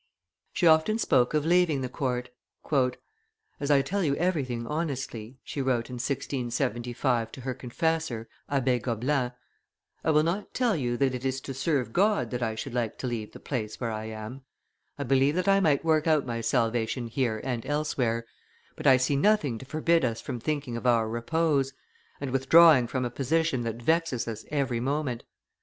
She often spoke of leaving the court. "As I tell you everything honestly," she wrote in 1675 to her confessor, Abbe Gobelin, "I will not tell you that it is to serve God that I should like to leave the place where I am; I believe that I might work out my salvation here and elsewhere, but I see nothing to forbid us from thinking of our repose, and withdrawing from a position that vexes us every moment.